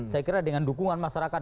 saya kira dengan dukungan masyarakat